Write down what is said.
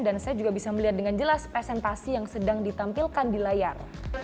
dan saya juga bisa melihat dengan jelas presentasi yang sedang ditampilkan di layar